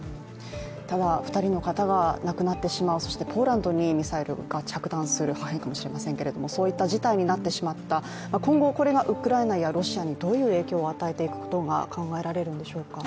ただ２人の方が亡くなってしまう、そしてポーランドにミサイルが着弾する、破片かもしれませんけど、そういう事態になってしまった、今後、これがウクライナやロシアにどんな影響が与えられると考えられるのでしょうか。